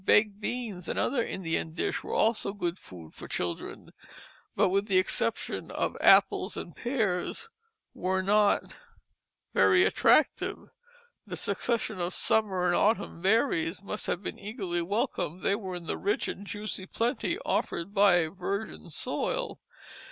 Baked beans, another Indian dish, were also good food for children. Native and domestic fruits were plentiful, but, with the exception of apples and pears, were not very attractive. The succession of summer's and autumn's berries must have been eagerly welcomed. They were in the rich and spicy plenty offered by a virgin soil.